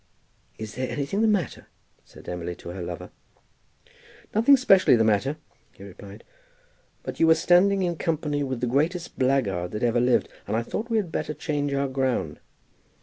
"Is there anything the matter?" said Emily to her lover. "Nothing specially the matter," he replied; "but you were standing in company with the greatest blackguard that ever lived, and I thought we had better change our ground."